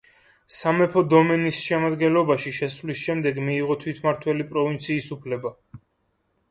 სამეფო დომენის შემადგენლობაში შესვლის შემდეგ მიიღო თვითმმართველი პროვინციის უფლება.